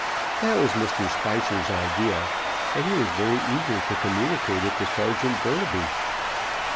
That was Mr. Spicer's idea; and he was very eager to communicate it to Serjeant Burnaby.